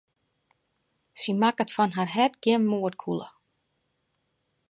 Sy makket fan har hert gjin moardkûle.